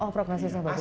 oh proposisi bagus